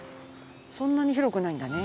そんなに広くないんだね。